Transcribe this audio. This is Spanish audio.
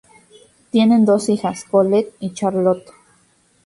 Tienen dos hijas, Colette y Charlotte.